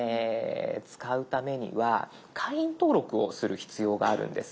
使うためには会員登録をする必要があるんです。